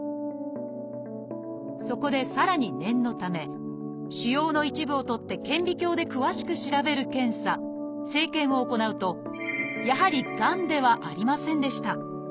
そこでさらに念のため腫瘍の一部をとって顕微鏡で詳しく調べる検査「生検」を行うとやはりがんではありませんでした。